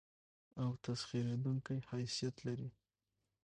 او تسخېرېدونکى حيثيت لري.